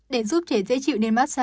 để giúp trẻ dễ chịu nên massage